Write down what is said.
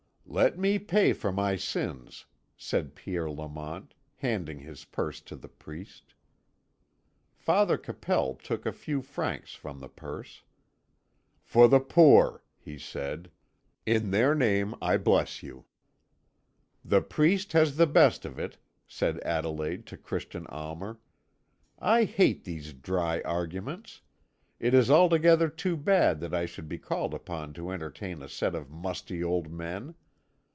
"Let me pay for my sins," said Pierre Lamont, handing his purse to the priest. Father Capel took a few francs from the purse. "For the poor," he said. "In their name I bless you!" "The priest has the best of it," said Adelaide to Christian Almer. "I hate these dry arguments! It is altogether too bad that I should be called upon to entertain a set of musty old men.